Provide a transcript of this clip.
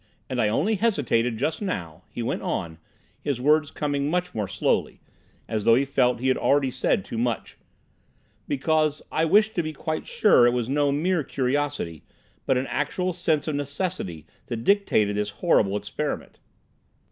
And I only hesitated just now," he went on, his words coming much more slowly, as though he felt he had already said too much, "because I wished to be quite sure it was no mere curiosity, but an actual sense of necessity that dictated this horrible experiment."